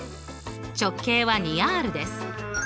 直径は２Ｒです。